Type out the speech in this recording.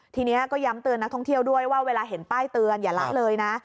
ทีนี้ก็ย้ำเตือนนักท่องเที่ยวด้วยว่าเวลาเห็นป้ายเตือนอย่าละเลยนะ